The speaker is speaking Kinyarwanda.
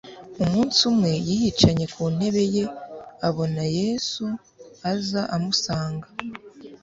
Umunsi umwe yiyicanye ku ntebe ye, abona Yesu aza amusanga,